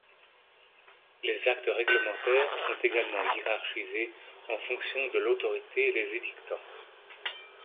Les actes réglementaires sont également hiérarchisés en fonction de l'autorité les édictant.